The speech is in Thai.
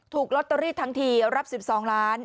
ถูกลอตเตอรี่ทั้งทีรับ๑๒ล้าน